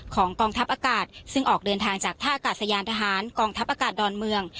กองทัพอากาศซึ่งออกเดินทางจากท่ากาศยานทหารกองทัพอากาศดอนเมือง